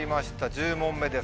１０問目です。